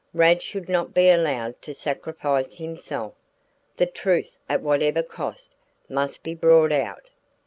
Rad should not be allowed to sacrifice himself. The truth, at whatever cost, must be brought out.